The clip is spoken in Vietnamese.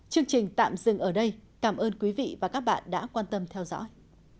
chương trình tạm dừng ở đây cảm ơn quý vị và các bạn đã quan tâm theo dõi